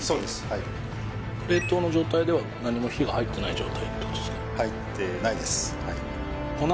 はい冷凍の状態では何も火が入ってない状態ってことですか